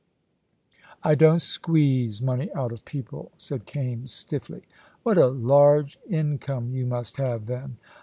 "I don't squeeze money out of people," said Kaimes, stiffly. "What a large income you must have, then."